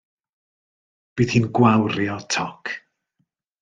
Bydd hi'n gwawrio toc.